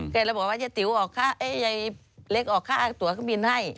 ก็เลยบอกว่ายายเล็กออกค่าตัวข้างบินให้